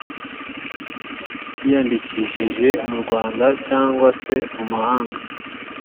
cyiyandikishije mu rwanda cyangwa se mumahanga